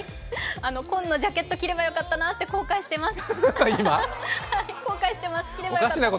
紺のジャケットを着ればよかったなと後悔しています。